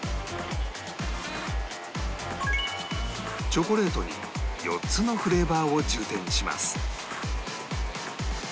チョコレートに４つのフレーバーを充填します